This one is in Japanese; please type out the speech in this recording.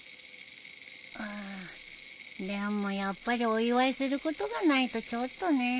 んでもやっぱりお祝いすることがないとちょっとねえ。